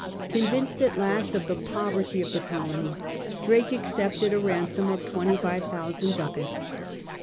Convinced at last of the poverty of the colony, Drake accepted a ransom of twenty five thousand ducats.